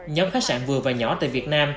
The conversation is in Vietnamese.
nhóm khách sạn vừa và nhỏ tại việt nam